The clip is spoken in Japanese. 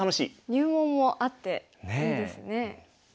入門もあっていいですね。